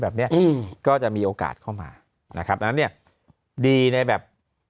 แบบนี้ก็จะมีโอกาสเข้ามานะครับแล้วเนี่ยดีในแบบ